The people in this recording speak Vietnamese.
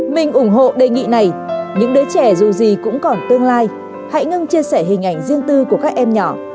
mình ủng hộ đề nghị này những đứa trẻ dù gì cũng còn tương lai hãy ngưng chia sẻ hình ảnh riêng tư của các em nhỏ